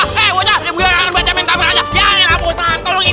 kurang lebih terong